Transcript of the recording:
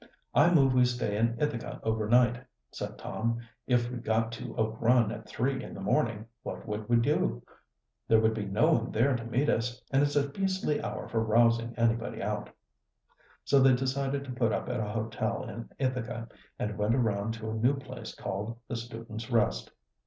"I move we stay in Ithaca over night," said Tom. "If we got to Oak Run at three in the morning, what would we do? There would be no one there to meet us, and it's a beastly hour for rousing anybody out." So they decided to put up at a hotel in Ithaca, and went around to a new place called the Students' Rest.